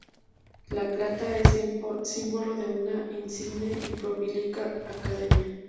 La Plata es símbolo de una insigne y prolífica academia.